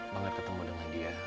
banget ketemu dengan dia